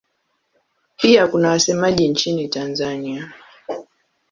Pia kuna wasemaji nchini Tanzania.